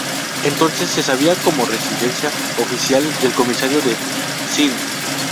Entonces se sabía como residencia oficial del Comisario de Sindh.